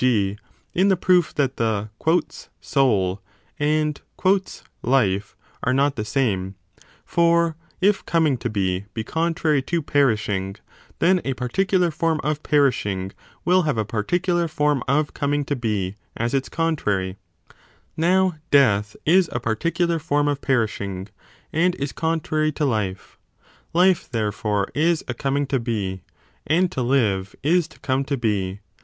g. in the proof that the l soul and life are not the same : for if coming to be be contrary to perishing, then a particular form of perishing will have a particular form of coming to be as its contrary : now death is a particular form of perishing and is contrary to life : life, therefore, is a coming to be, and to live is to come to be.